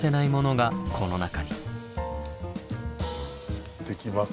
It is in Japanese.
行ってきます。